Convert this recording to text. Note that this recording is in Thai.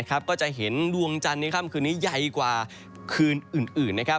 ก็จะเห็นดวงจันทร์ในค่ำคืนนี้ใหญ่กว่าคืนอื่น